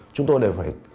chúng tôi đều phải